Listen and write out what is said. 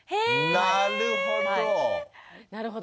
なるほど。